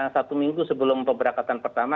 satu minggu sebelum pemberangkatan pertama